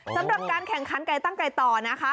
สำหรับการแข่งขันไก่ตั้งไก่ต่อนะคะ